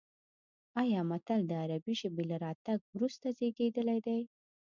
ایا متل د عربي ژبې له راتګ وروسته زېږېدلی دی